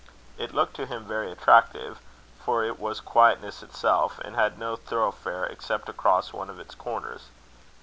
It looked to him very attractive; for it was quietness itself, and had no thoroughfare, except across one of its corners.